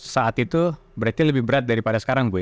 saat itu berarti lebih berat daripada sekarang bu ya